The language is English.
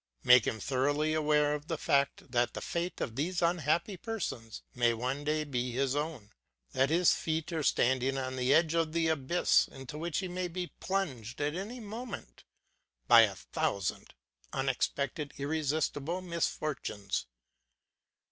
Make him thoroughly aware of the fact that the fate of these unhappy persons may one day be his own, that his feet are standing on the edge of the abyss, into which he may be plunged at any moment by a thousand unexpected irresistible misfortunes.